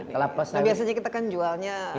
nah biasanya kita kan jualnya